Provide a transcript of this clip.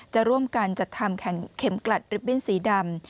จะร่วมกันจัดทำแข่งเข็มกลัดริบบิ้นสีดำ